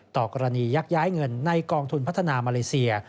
ต่อกรณียักย้ายเงินในกองทุนพัฒนามาเลเซีย